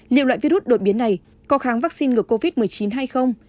liệu loại virus đột biến này có kháng vaccine ngừa covid một mươi chín hay không